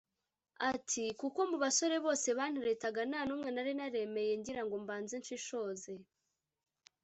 Ati “Kuko mu basore bose banteretaga nta n’umwe nari naremeye ngira ngo mbanze nshishoze